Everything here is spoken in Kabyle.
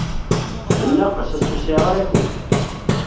Bnaqes, ass-a ur sɛiɣ ara akud.